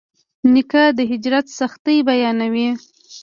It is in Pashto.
نیکه د هجرت سختۍ بیانوي.